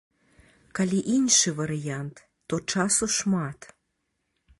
Калі іншы варыянт, то часу шмат.